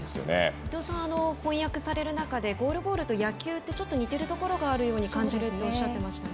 伊藤さん、翻訳される中でゴールボールと野球は似ているところがあると感じるとおっしゃっていましたね。